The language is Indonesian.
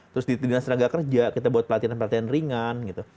terus di dinas tenaga kerja kita buat pelatihan pelatihan ringan gitu